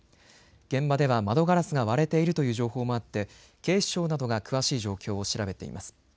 現場では窓ガラスが割れているという情報もあって警視庁などが詳しい状況を調べています。